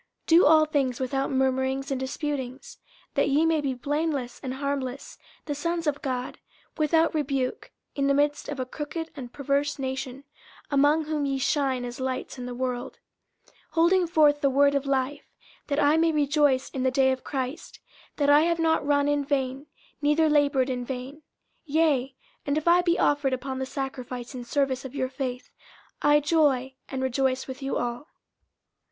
50:002:014 Do all things without murmurings and disputings: 50:002:015 That ye may be blameless and harmless, the sons of God, without rebuke, in the midst of a crooked and perverse nation, among whom ye shine as lights in the world; 50:002:016 Holding forth the word of life; that I may rejoice in the day of Christ, that I have not run in vain, neither laboured in vain. 50:002:017 Yea, and if I be offered upon the sacrifice and service of your faith, I joy, and rejoice with you all.